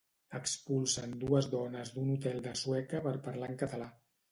Expulsen dues dones d'un hotel de Sueca per parlar en català